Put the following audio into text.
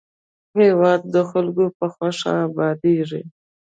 هېواد د خلکو په خوښه ابادېږي.